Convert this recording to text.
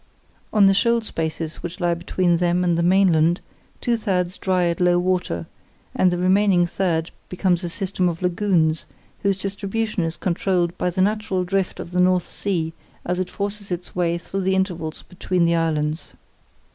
Of the shoal spaces which lie between them and the mainland, two thirds dry at low water, and the remaining third becomes a system of lagoons whose distribution is controlled by the natural drift of the North Sea as it forces its way through the intervals between the islands.